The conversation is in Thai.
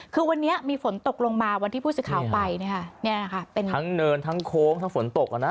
คือวันนี้มีฝนตกลงมาวันที่ผู้สื่อข่าวไปทั้งเนินทั้งโค้งทั้งฝนตก